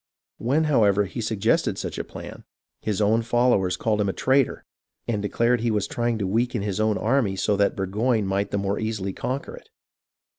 When, however, he suggested such a plan, his own followers called him a traitor, and declared he was trying to weaken his own army so that Burgoyne might the more easily conquer it.